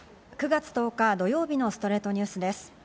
９月１０日、土曜日の『ストレイトニュース』です。